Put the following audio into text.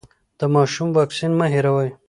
د ماشوم واکسین مه هېروئ.